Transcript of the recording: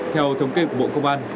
theo thống kê của bộ công an